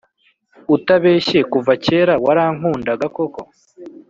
Utabeshye kuva kera warankundaga koko